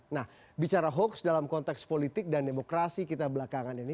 nah bicara hoax dalam konteks politik dan demokrasi kita belakangan ini